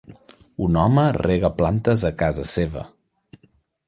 Un home rega plantes a casa seva.